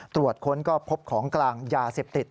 ตรวจค้นก็พบของกลางยาเสพติด